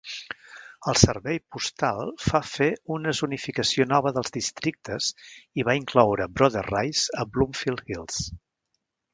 El servei postal fa fer una zonificació nova dels districtes i va incloure Brother Rice a "Bloomfield Hills".